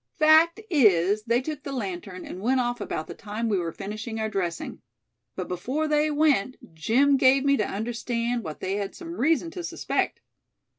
Fact is, they took the lantern, and went off about the time we were finishing our dressing. But before they went, Jim gave me to understand what they had some reason to suspect."